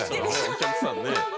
お客さんね。